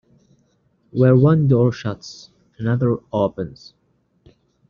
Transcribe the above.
Where one door shuts, another opens.